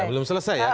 belum selesai ya